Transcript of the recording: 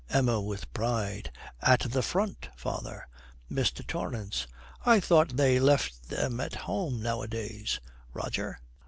EMMA, with pride, 'At the Front, father.' MR. TORRANCE. 'I thought they left them at home nowadays, Roger?'